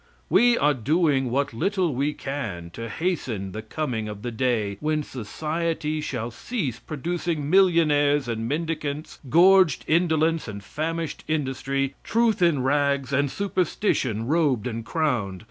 We are doing what little we can to hasten the coming of the day when society shall cease producing millionaires and mendicants gorged indolence and famished industry truth in rags, and superstition robed and crowned.